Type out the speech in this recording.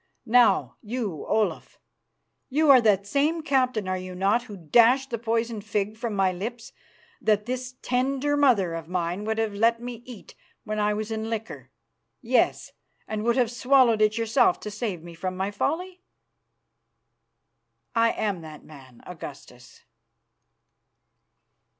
Now, you Olaf, you are that same captain, are you not, who dashed the poisoned fig from my lips that this tender mother of mine would have let me eat when I was in liquor; yes, and would have swallowed it yourself to save me from my folly?" "I am that man, Augustus."